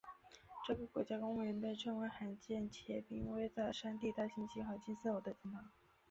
这个国家公园被称为罕见且濒危的山地大猩猩和金丝猴的天堂。